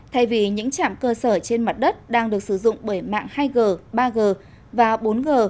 thay vì những trạm cơ sở trên mặt đất đang được sử dụng bởi mạng hai g ba g và bốn g